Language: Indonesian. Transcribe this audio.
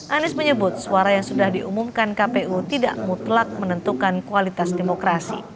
anies menyebut suara yang sudah diumumkan kpu tidak mutlak menentukan kualitas demokrasi